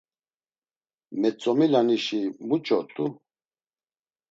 Metzomilanişi muç̌ort̆u?